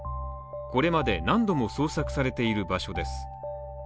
これまで何度も捜索されている場所です。